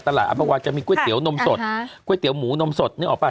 ตลาดอัมพวาจะมีก๋วยเตี๋ยวนมสดก๋วยเตี๋ยวหมูนมสดนึกออกไหม